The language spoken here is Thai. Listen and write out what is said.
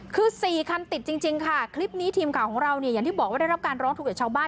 คือ๔คันติดจริงค่ะคลิปนี้ทีมข่าวของเราเนี่ยอย่างที่บอกว่าได้รับการร้องทุกข์จากชาวบ้าน